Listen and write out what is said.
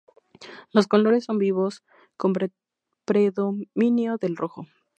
Los colores son vivos, con predominio del rojo.